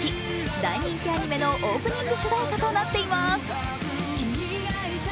大人気アニメのオープニング主題歌となっています。